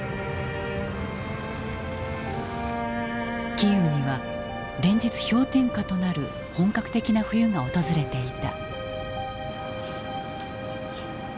キーウには連日氷点下となる本格的な冬が訪れていた。